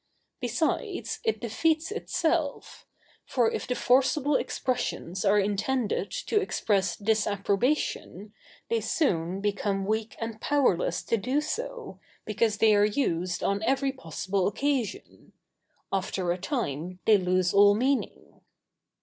Besides, it defeats itself; for if the forcible expressions are intended to express disapprobation, they soon become weak and powerless to do so, because they are used on every possible occasion. After a time they lose all meaning.